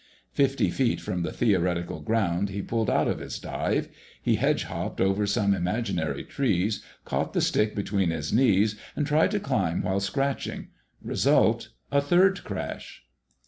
Fifty feet from the theoretical ground he pulled out of his dive. He hedge hopped over some imaginary trees, caught the stick between his knees, and tried to climb while scratching. Result—a third crash.